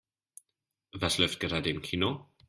Was läuft gerade im Kino?